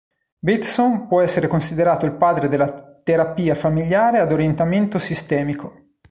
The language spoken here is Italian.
Bateson può essere considerato il padre della terapia familiare ad orientamento sistemico.